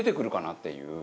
っていう。